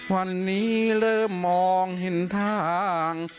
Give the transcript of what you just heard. วันนี้เริ่มมองเห็นทาง